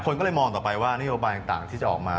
คนก็เลยมองต่อไปว่านโยบายต่างที่จะออกมา